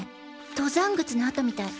登山靴の跡みたい。